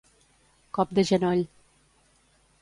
Cop de genoll.